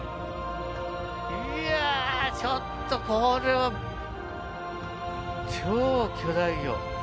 いやあちょっとこれは超巨大魚。